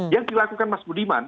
yang dilakukan mas budiman